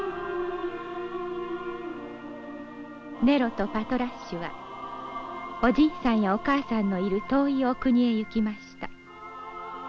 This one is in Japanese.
「ネロとパトラッシュはおじいさんやお母さんのいる遠いお国へ行きました」